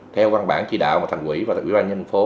theo quan bản chỉ đạo của thành quỹ và dự quan nhân phố